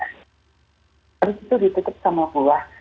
habis itu ditutup sama buah